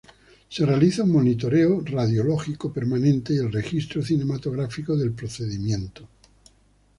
Se realiza un monitoreo radiológico permanente y el registro cinematográfico del procedimiento.